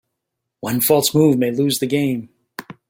One false move may lose the game.